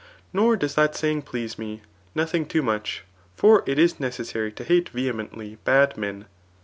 Nor does that saying please me» Nothing too much ; for it is necessary to hate vehemently bad men."